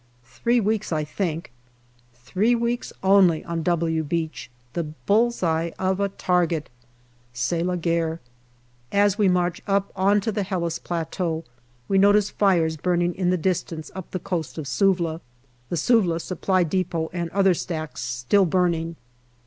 Three weeks, I think. Three weeks only on " W " Beach, the bull's eye of a target. C'est la guerre ! As we march up on to the Helles Plateau we notice fires burning in the distance up the coast of Suvla the Suvla Supply depot and other stacks still burning.